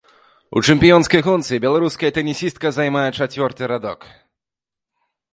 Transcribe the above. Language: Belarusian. У чэмпіёнскай гонцы беларуская тэнісістка займае чацвёрты радок.